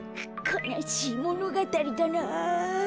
かなしいものがたりだなぁ。